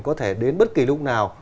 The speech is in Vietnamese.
có thể đến bất kỳ lúc nào